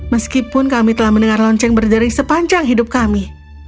meskipun kami telah mendengar lonceng berjering sepanjang hidup kami